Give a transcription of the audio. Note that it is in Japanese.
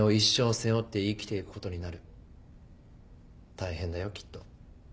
大変だよきっと。